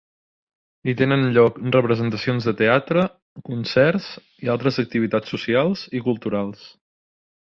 Hi tenen lloc representacions de teatre, concerts i altres activitats socials i culturals.